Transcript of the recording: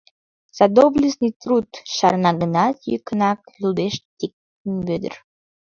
— «За доблестный труд...» — шарна гынат, йӱкынак лудеш Тикын Вӧдыр.